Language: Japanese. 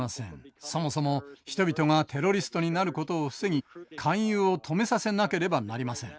そもそも人々がテロリストになることを防ぎ勧誘を止めさせなければなりません。